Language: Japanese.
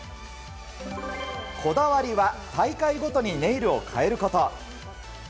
こだわりは大会ごとにネイルを変えること。